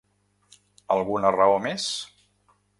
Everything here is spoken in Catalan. Alguna raó més?